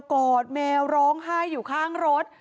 กอดแมวร้องไห้อยู่ข้างรถ